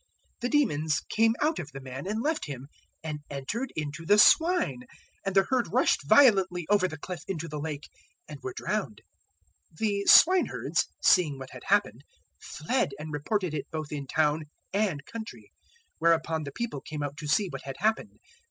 008:033 The demons came out of the man and left him, and entered into the swine; and the herd rushed violently over the cliff into the Lake and were drowned. 008:034 The swineherds, seeing what had happened, fled and reported it both in town and country; 008:035 whereupon the people came out to see what had happened.